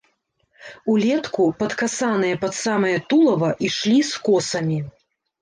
Улетку, падкасаныя пад самае тулава, ішлі з косамі.